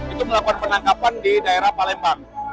itu melakukan penangkapan di daerah palembang